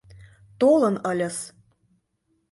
Толын ыльыс.